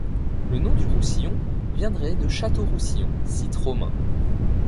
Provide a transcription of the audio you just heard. Le nom du Roussillon viendrait de Château-Roussillon, site romain.